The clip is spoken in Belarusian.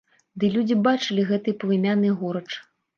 Ды людзі бачылі гэты палымянны горач.